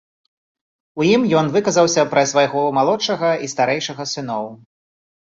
У ім ён выказаўся пра свайго малодшага і старэйшага сыноў.